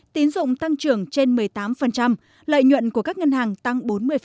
tín dụng tăng trưởng trên một mươi tám lợi nhuận của các ngân hàng tăng bốn mươi